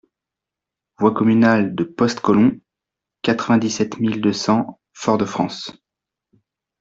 Voie Communale de Poste Colon, quatre-vingt-dix-sept mille deux cents Fort-de-France